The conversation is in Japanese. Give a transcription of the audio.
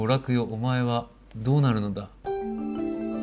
おまえはどうなるのだ」。